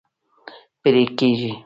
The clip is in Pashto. پرې کیږي